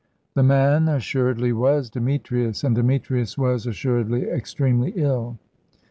The man assuredly was Demetrius, and Demetrius was assuredly extremely ill.